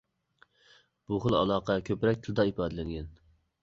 بۇ خىل ئالاقە كۆپرەك تىلدا ئىپادىلەنگەن.